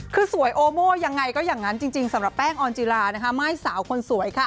คือสวยโอโม่ยังไงก็อย่างนั้นจริงสำหรับแป้งออนจิลาม่ายสาวคนสวยค่ะ